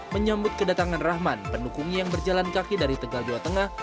menyambut kedatangan rahman pendukungnya yang berjalan kaki dari tegal jawa tengah